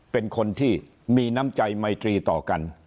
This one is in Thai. เป็นคนที่มีน้ำใจไมตรีต่อกัน